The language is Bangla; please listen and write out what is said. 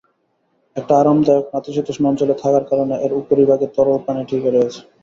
একটা আরামদায়ক, নাতিশীতোষ্ণ অঞ্চলে থাকার কারণে এর উপরিভাগে তরল পানি টিকে রয়েছে।